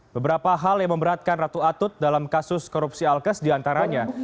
beberapa hal yang memberatkan ratu atut dalam kasus korupsi alkes diantaranya